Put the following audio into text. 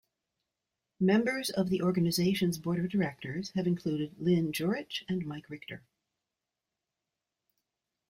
Members of the organization's board of directors have included Lynn Jurich and Mike Richter.